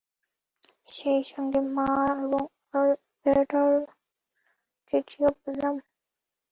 সেই সঙ্গে মা এবং এলবার্টার চিঠিও পেলাম।